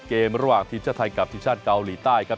ระหว่างทีมชาติไทยกับทีมชาติเกาหลีใต้ครับ